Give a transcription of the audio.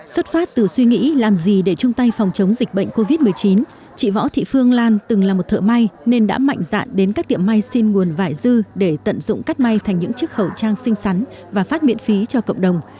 xuất phát từ suy nghĩ làm gì để chung tay phòng chống dịch bệnh covid một mươi chín chị võ thị phương lan từng là một thợ may nên đã mạnh dạn đến các tiệm may xin nguồn vải dư để tận dụng cắt may thành những chiếc khẩu trang xinh xắn và phát miễn phí cho cộng đồng